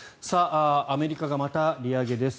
アメリカがまた利上げです。